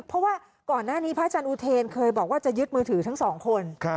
เพราะว่าก่อนหน้านี้พระอาจารย์อุเทนเคยบอกว่าจะยึดมือถือทั้งสองคน